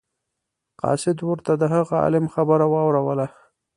قاصد ورته د هغه عالم خبره واوروله.